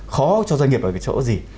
khó cho doanh nghiệp ở cái chỗ gì